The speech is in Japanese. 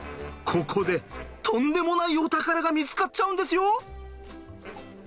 ここでとんでもないお宝が見つかっちゃうんですよ！